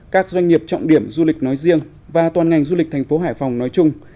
các doanh nghiệp trọng điểm du lịch nói riêng và toàn ngành du lịch thành phố hải phòng nói chung